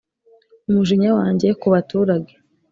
Umujinya wanjye ku baturage